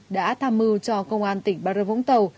đã tham mưu cho công an tỉnh bà rập vũng tàu